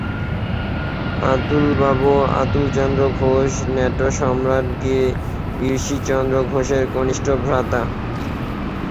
অতুলবাবু অতুলচন্দ্র ঘোষ, নাট্যসম্রাট গিরিশচন্দ্র ঘোষের কনিষ্ঠ ভ্রাতা।